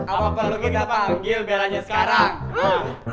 apa perlu kita panggil belanya sekarang